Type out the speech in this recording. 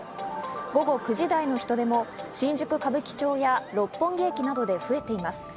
午後９時台の人出も新宿・歌舞伎町や六本木駅などで増えています。